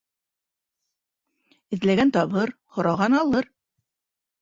Эҙләгән табыр, һораған алыр.